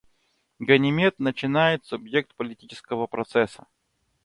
Ганимед начинает субъект политического процесса.